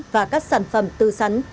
và các sản phẩm từ sắn